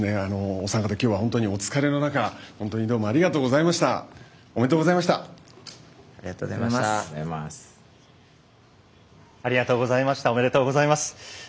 お三方きょうは、本当にお疲れの中本当にどうもありがとうございました。